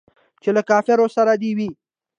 چې له کفارو سره دې وي.